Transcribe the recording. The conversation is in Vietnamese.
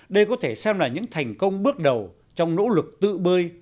đây có thể xem là những thành công bước đầu trong nỗ lực tự bơi